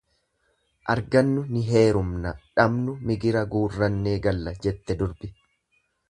Argannu ni heerumna dhabnu migira guurrannee galla jette durbi.